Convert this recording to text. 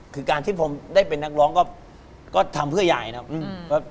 คือการที่ผมได้เป็นนักร้องก็ทำเพื่อยายนะครับ